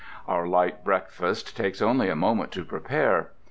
Our light breakfast takes only a moment to prepare.